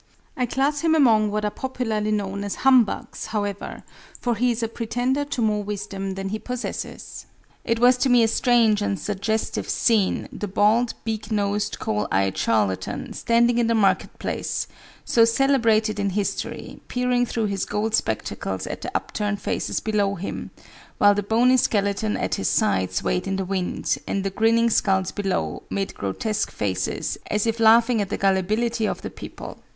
I class him among what are popularly known as humbugs, however, for he is a pretender to more wisdom than he possesses. It was to me a strange and suggestive scene the bald, beak nosed, coal eyed charlatan, standing in the market place, so celebrated in history, peering through his gold spectacles at the upturned faces below him, while the bony skeleton at his side swayed in the wind, and the grinning skulls below, made grotesque faces, as if laughing at the gullibility of the people.